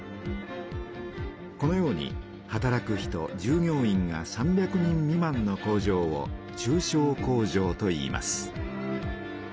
このように働く人じゅう業員が３００人未満の工場を中小工場といいます。